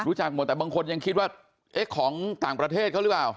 รู้จักหมดแต่บางคนยังคิดว่าเอ๊ะของต่างประเทศเขาหรือเปล่า